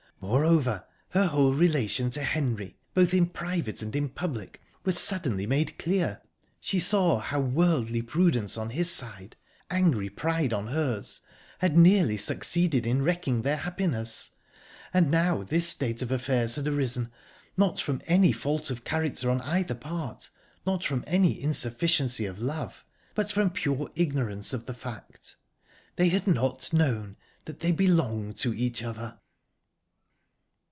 Moreover, her whole relation to Henry, both in private and in public, was suddenly made clear. She saw how worldly prudence on his side, angry pride on hers, had nearly succeeded in wrecking their happiness, and how this state of affairs had arisen, not from any fault of character on either part, not from any insufficiency of love, but from pure ignorance of the fact. They had not known that they belonged to each other...